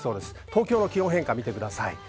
東京の気温の変化を見てください。